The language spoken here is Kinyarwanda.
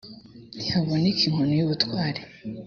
ntihaboneka inkoni y ubutware